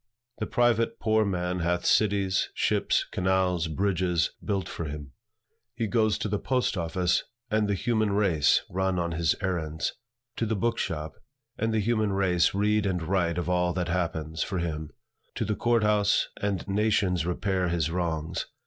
The private poor man hath cities, ships, canals, bridges, built for him. He goes to the post office, and the human race run on his errands; to the book shop, and the human race read and write of all that happens, for him; to the court house, and nations repair his wrongs.